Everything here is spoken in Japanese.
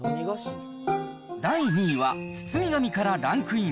第２位は、包み紙からランクイン。